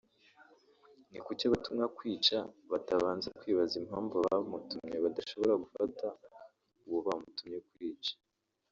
ni kuki abatumwa kwica batabanza kwibaza impamvu abamutumye badashobora gufata uwo bamutumye kwica